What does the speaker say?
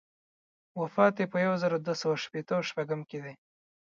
وفات یې په یو زر دوه سوه شپېته و شپږم کې دی.